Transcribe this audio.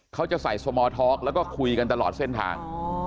เขาจะใส่สมอร์ทอล์กแล้วก็คุยกันตลอดเส้นทาง